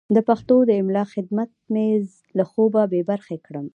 د پښتو د املا خدمت مې له خوبه بې برخې کړم.